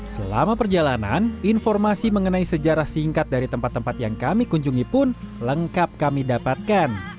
selama perjalanan informasi mengenai sejarah singkat dari tempat tempat yang kami kunjungi pun lengkap kami dapatkan